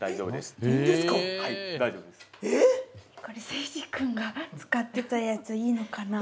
聖司君が使ってたやついいのかな？